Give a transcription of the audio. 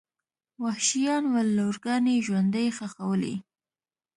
وحشیان ول لورګانې ژوندۍ ښخولې.